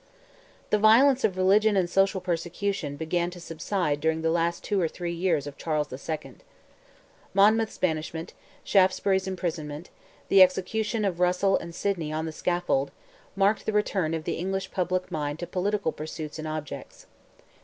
The violence of religious and social persecution began to subside during the last two or three years of Charles II. Monmouth's banishment, Shaftesbury's imprisonment, the execution of Russell and Sidney on the scaffold, marked the return of the English public mind to political pursuits and objects.